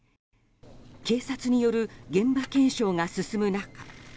警察による現場検証が進む中